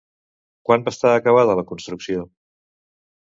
Quan va estar acabada la construcció?